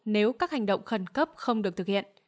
nếu các hành động không được tiêm chủng